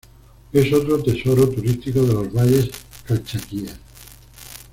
Es otro tesoro turístico de los valles Calchaquíes.